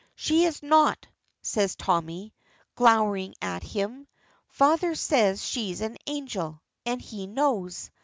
"She's not," says Tommy, glowering at him. "Father says she's an angel, and he knows.